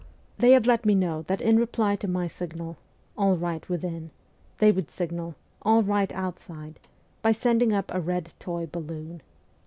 They had let me know that in reply to my signal ' All right within ' they would signal ' All right outside ' by sending up a red toy balloon.